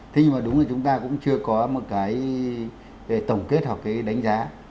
thế nhưng mà đúng là chúng ta cũng chưa có một cái tổng kết hoặc cái đánh giá